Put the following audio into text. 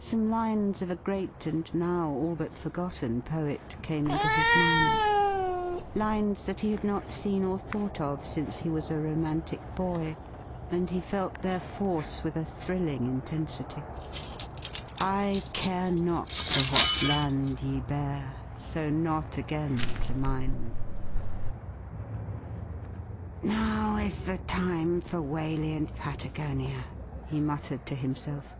Some lines of a great and now all but forgotten poet came into his mind 7— lines that he had not seen or thought of since he was a romantic boy, and he felt their force with a thrilling in tensity :' I care not to what land ye bear, So not again to mine.' ' Now is the time for Waley and Patagonia,' he muttered to himself.